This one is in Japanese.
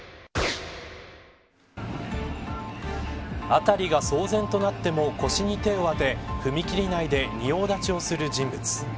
辺りが騒然となっても腰に手を当て踏切内で仁王立ちをする人物。